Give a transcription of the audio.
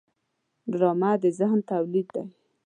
ډرامه د ذهن تولید دی